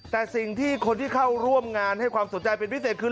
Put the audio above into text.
แต่สิ่งที่คนที่เข้าร่วมงานให้ความสนใจเป็นพิเศษคือ